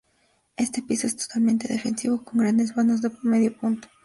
Este piso es totalmente defensivo con grandes vanos de medio punto.